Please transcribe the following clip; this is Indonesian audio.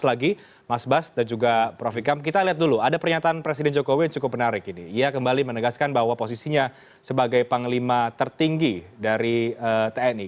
dan saya akan mencoba untuk menjawab posisinya sebagai panglima tertinggi dari tni